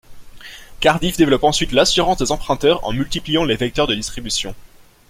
Cardif développe ensuite l’assurance des emprunteurs en multipliant les vecteurs de distribution.